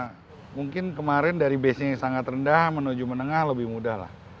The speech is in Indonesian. karena mungkin kemarin dari base yang sangat rendah menuju menengah lebih mudah lah